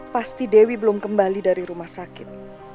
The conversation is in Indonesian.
pasti dewi belum kembali dari rumah sakit